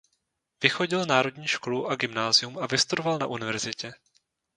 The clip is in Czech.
Vychodil národní školu a gymnázium a vystudoval na univerzitě.